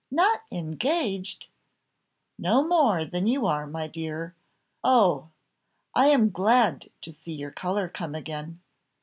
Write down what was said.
"Not engaged!" "No more than you are, my dear! Oh! I am glad to see your colour come again!"